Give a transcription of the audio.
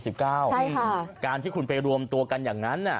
ใช่ค่ะการที่คุณไปรวมตัวกันอย่างนั้น